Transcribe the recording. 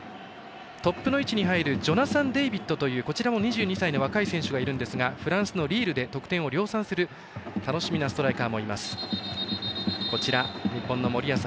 トップの位置に入るジョナサンデイビットという２２歳の若い選手がいるんですがフランスのリールで得点を量産する楽しみなストライカーもいます。